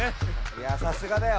いやさすがだよ。